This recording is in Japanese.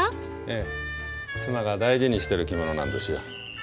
ええ妻が大事にしてる着物なんですよ。